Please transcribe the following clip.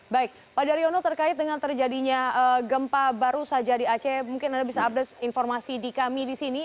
baik pak daryono terkait dengan terjadinya gempa baru saja di aceh mungkin anda bisa update informasi di kami di sini